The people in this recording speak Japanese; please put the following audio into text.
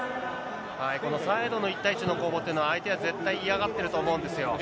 このサイドの１対１の攻防というのは、相手は絶対嫌がっていると思うんですよ。